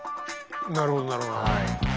なるほどなるほど。